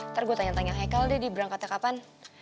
ntar gue tanya tanya hekel dia diberangkatnya kapan